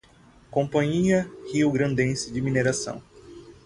Companhia Riograndense de Mineração